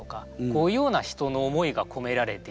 こういうような人の思いがこめられているだとか。